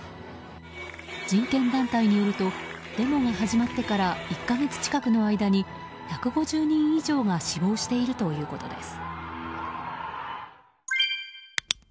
人権団体によるとデモが始まってから１か月近くの間に１５０人以上が死亡しているということです。